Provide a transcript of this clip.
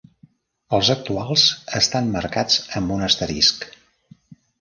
Els actuals estan marcats amb un asterisc.